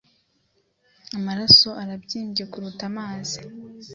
Amaraso arabyimbye kuruta amazi